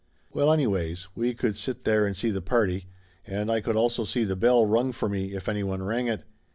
Well anyways, we could sit there and see the party, and I could also see the bell rung for me, if anyone rang it.